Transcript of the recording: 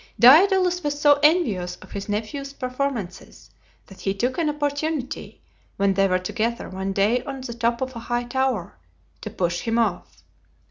Daedalus was so envious of his nepnew's performances that he took an opportunity, when they were together one day on the top of a high tower, to push him off.